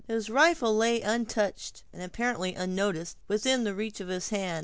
His rifle lay untouched, and apparently unnoticed, within reach of his hand.